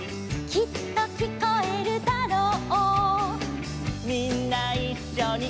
「きっと聞こえるだろう」「」